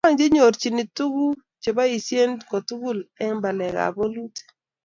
chang chenyorchini tuguk cheboisien kotugul eng balekab bolutik